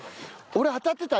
俺当たってた？